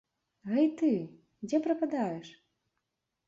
Гэй ты, дзе прападаеш?